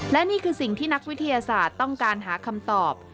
และนี่คือสิ่งที่นักวิทยาศาสตร์ต้องการหาคำตอบ